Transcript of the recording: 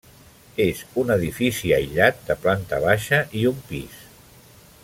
És un edifici aïllat de planta baixa i un pis.